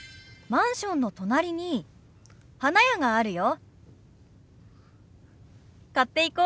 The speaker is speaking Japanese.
「マンションの隣に花屋があるよ」。